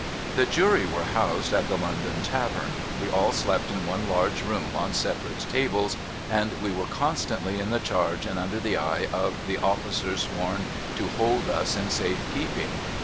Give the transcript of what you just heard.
The Jury were housed at the London Tavern, ^^'e all slept in one large room on separate tables, and we were constantly in the charge and under the eye of the officer sworn to hold us in safe keeping.